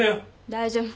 大丈夫。